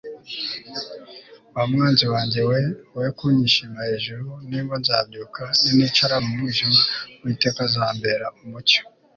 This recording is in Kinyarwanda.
wa mwanzi wanjye we, we kunyishima hejuru ningwa nzabyuka, ninicara mu mwijima uwiteka azambera umucyo